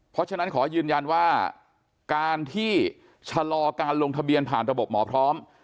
เพราะฉะนั้นขอยืนยันว่าการที่ชะลอการลงทะเบียนผ่านระบบหมอพร้อม